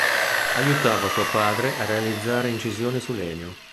Aiutava suo padre a realizzare incisioni su legno.